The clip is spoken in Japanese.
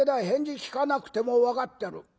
返事聞かなくても分かってる。